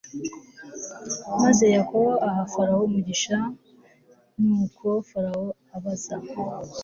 maze Yakobo aha Farawo umugisha i Nuko Farawo abaza